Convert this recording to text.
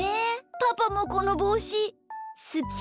パパもこのぼうしすき？